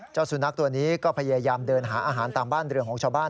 เจ้าสุนัขตัวนี้ก็พยายามเดินหาอาหารตามบ้านเรือของชาวบ้าน